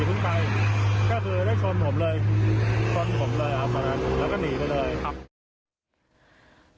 พึ่งไปก็คือได้ชนผมเลยชนผมเลยอ่ะครับแล้วก็หนีไปเลยครับ